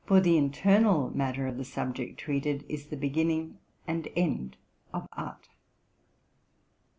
For the internal matter of the subject treated is the begin ning and end of art.